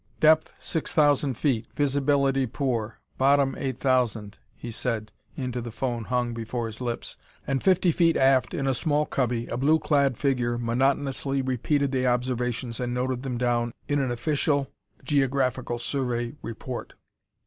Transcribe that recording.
"Depth, six thousand feet. Visibility poor. Bottom eight thousand," he said into the phone hung before his lips, and fifty feet aft, in a small cubby, a blue clad figure monotonously repeated the observations and noted them down in an official geographical survey report.